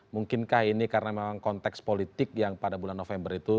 mungkinkah ini karena memang konteks politik yang pada bulan november itu